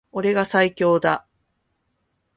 俺が最強だ